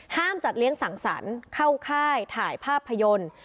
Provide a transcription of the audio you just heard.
จัดเลี้ยงสั่งสรรค์เข้าค่ายถ่ายภาพยนตร์